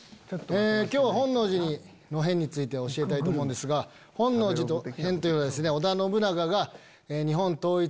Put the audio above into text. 今日は本能寺の変について教えたいと思うんですが本能寺の変というのは織田信長が日本統一